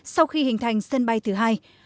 sau khi hình thành sân bay thứ hai